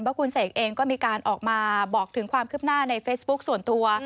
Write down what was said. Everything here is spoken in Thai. เพราะคุณเสกเองก็มีการออกมาบอกถึงความคืบหน้าในเฟซบุ๊คส่วนตัว